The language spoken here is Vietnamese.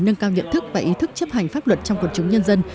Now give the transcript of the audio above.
nâng cao nhận thức và ý thức chấp hành pháp luật trong quần chúng nhân dân